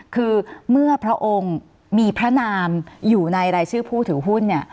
คือเมื่อพระองค์มีพระนามอยู่ในรายชื่อผู้ถือหุ้นเนี่ย